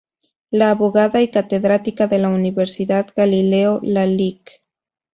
La abogada y catedrática de la Universidad Galileo, la Lic.